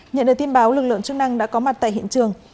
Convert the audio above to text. nhận được tin báo lực lượng chức năng đã có mặt tại hiện trường